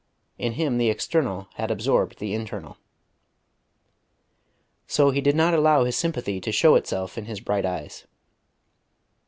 In him the external had absorbed the internal. So he did not allow his sympathy to show itself in his bright eyes.